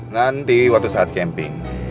nanti waktu saat camping